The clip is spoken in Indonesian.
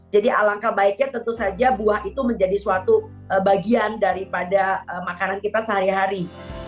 jadi alangkah baiknya tentu saja buah itu menjadi suatu bagian daripada makanan kita sehari hari